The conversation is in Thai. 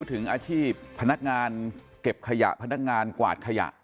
ถึงอาชีพพนักงานเก็บขยะพนักงานกวาดขยะ